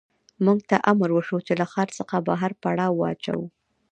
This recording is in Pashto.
موږ ته امر وشو چې له ښار څخه بهر پړاو واچوو